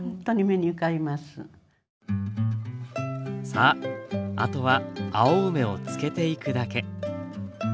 さああとは青梅を漬けていくだけ。